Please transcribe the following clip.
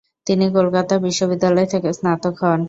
তিনি কলকাতা বিশ্ববিদ্যালয় থেকে স্নাতক হন।